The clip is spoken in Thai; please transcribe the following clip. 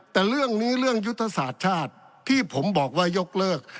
แต่เรื่องนี้เรื่องยุทธศาสตร์ชาติที่ผมบอกว่ายกเลิก